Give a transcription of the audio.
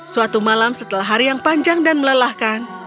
suatu malam setelah hari yang panjang dan melelahkan